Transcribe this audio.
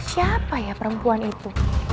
siapa ya perempuan itu